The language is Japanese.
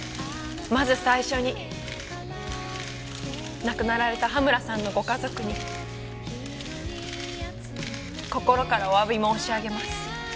まず最初に亡くなられた羽村さんのご家族に心からお詫び申し上げます。